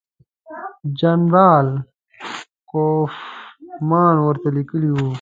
جنرال کوفمان ورته لیکلي وو.